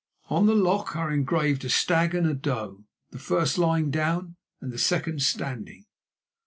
On the lock are engraved a stag and a doe, the first lying down and the second standing.